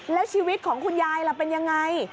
แล้วชีวิตของคุณยายล่ะเป็นยังไง